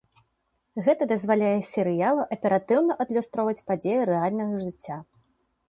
Гэта дазваляе серыялу аператыўна адлюстроўваць падзеі рэальнага жыцця.